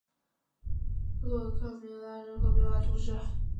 洛克梅拉人口变化图示